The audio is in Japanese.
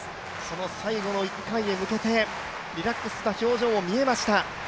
その最後の１回に向けて、リラックスした表情も見えまして。